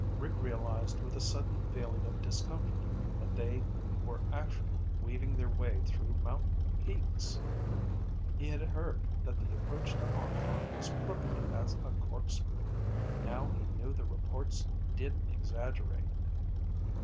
Rick realized with a sudden feeling of discomfort that they were actually weaving their way through mountain peaks! He had heard that the approach to Hong Kong was crooked as a corkscrew; now he knew the reports didn't exaggerate.